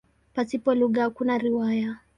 Pasipo lugha hakuna riwaya.